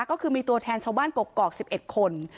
ก็คือมีตัวแทนชาวบ้านกกอก๑๑คน